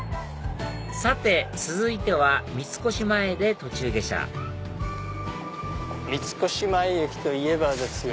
さて続いては三越前で途中下車三越前駅といえばですよ。